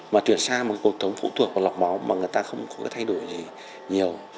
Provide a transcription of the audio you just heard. mà chuyển sang một cuộc sống phụ thuộc vào lọc máu mà người ta không có thay đổi gì nhiều